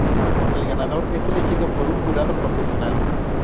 El ganador es elegido por un jurado profesional.